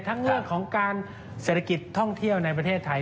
เรื่องของการเศรษฐกิจท่องเที่ยวในประเทศไทย